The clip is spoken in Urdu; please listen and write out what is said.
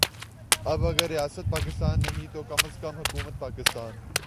اب اگر ریاست پاکستان نہیں تو کم از کم حکومت پاکستان